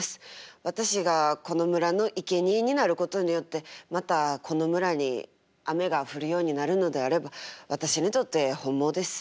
私がこの村のいけにえになることによってまたこの村に雨が降るようになるのであれば私にとって本望です。